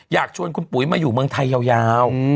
อยากชวนคุณปุ๋ยมาอยู่เมืองไทยยาว